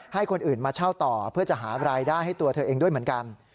ให้คนอื่นมาเช่าต่อเพื่อจะหารายได้ให้ตัวเธอเองด้วยเหมือนกัน